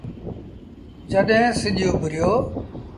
جڏهيݩ سڄ اُڀريو ۔